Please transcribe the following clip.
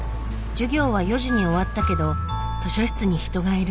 授業は４時に終わったけど図書室に人がいる。